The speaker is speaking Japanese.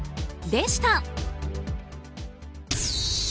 でした。